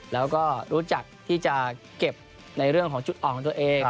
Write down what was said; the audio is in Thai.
แล้วก็รู้จักที่จะเก็บในเรื่องของจุดอ่อนของตัวเอง